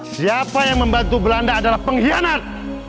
siapa yang membantu belanda adalah pengkhianat